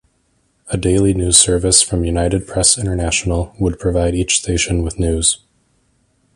A daily news service, from United Press International, would provide each station with news.